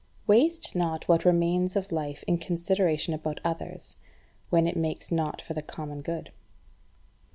4. Waste not what remains of life in consideration about others, when it makes not for the common good.